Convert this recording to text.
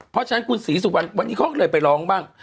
เพราะฉะนั้นคุณศรีสุวรรณวันนี้เขาก็เลยไปร้องบ้าง